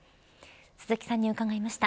鈴木さんに伺いました。